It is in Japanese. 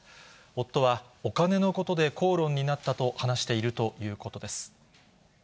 夫はお金のことで口論になったと話しているということです。